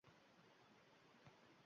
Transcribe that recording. Bu, eringizga ma’qul keladi.